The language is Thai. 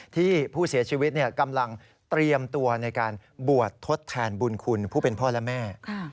ที่ผู้เสียชีวิตกำลังเตรียมตัวในการบวชทดแทนบุญคุณผู้เป็นพ่อและแม่